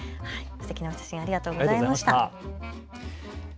すてきな写真、ありがとうございました。